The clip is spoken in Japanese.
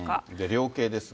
量刑ですが。